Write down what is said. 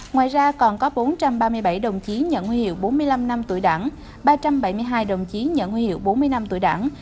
ngoài ra còn có bốn trăm ba mươi bảy đồng chí nhận huy hiệu bốn mươi năm năm tuổi đảng ba trăm bảy mươi hai đồng chí nhận huy hiệu bốn mươi năm tuổi đảng